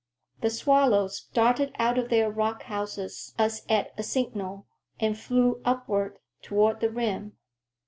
The swallows darted out of their rock houses as at a signal, and flew upward, toward the rim.